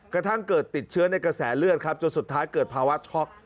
กระทั่งเกิดติดเชื้อในกระแสเลือดครับจนสุดท้ายเกิดภาวะช็อก